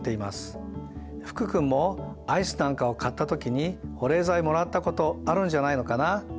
福君もアイスなんかを買った時に保冷剤もらったことあるんじゃないのかな？